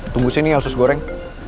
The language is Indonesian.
tunggu sini usus goreng